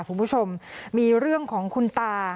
คุณผู้ชมมีเรื่องของคุณตา